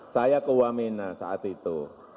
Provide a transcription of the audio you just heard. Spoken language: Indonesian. saya ke wamena saat itu